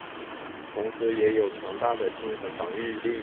同时也有强大的精神防御力。